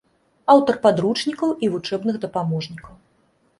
Аўтар падручнікаў і вучэбных дапаможнікаў.